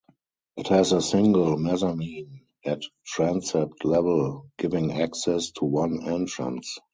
It has a single mezzanine at transept level, giving access to one entrance.